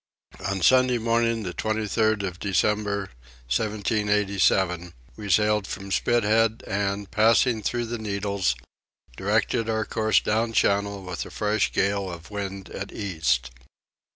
On Sunday morning the 23rd of December 1787 we sailed from Spithead and, passing through the Needles, directed our course down channel with a fresh gale of wind at east.